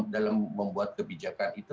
dalam membuat kebijakan itu